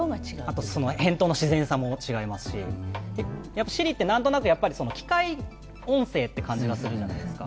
返答の自然さも違いますし、Ｓｉｒｉってなんとなく機械音声って感じがするじゃないですか。